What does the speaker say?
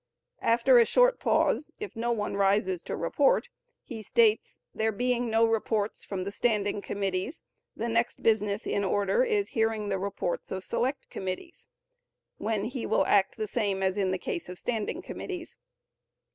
After a short pause, if no one rises to report, he states, "There being no reports from the standing committees, the next business in order is hearing the reports of select committees," when he will act the same as in the case of the standing committees.